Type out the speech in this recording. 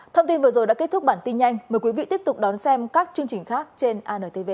thông tin vừa rồi đã kết thúc bản tin nhanh mời quý vị tiếp tục đón xem các chương trình khác trên antv